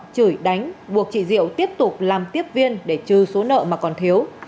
chửi đánh buộc chị diệu tiếp tục làm tiếp viên để trừ số nợ mà còn thiếu